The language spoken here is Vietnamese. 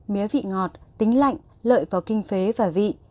mía vị ngọt tính lạnh lợi vào kinh phế và vị